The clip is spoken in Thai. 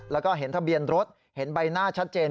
แล้วก็เห็นทะเบียนรถเห็นใบหน้าชัดเจน